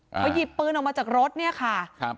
พอหยิบปืนออกมาจากรถเนี่ยค่ะ